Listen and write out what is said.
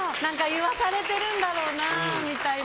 言わされてるんだろうなみたいな。